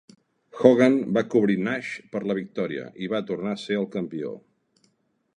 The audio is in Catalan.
Hogan va cobrir Nash per la victòria i va tornar a ser campió.